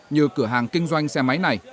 như cửa hàng kinh doanh xe máy này